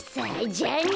じゃあね。